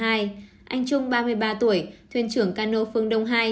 anh trung ba mươi ba tuổi thuyền trưởng cano phương đông hai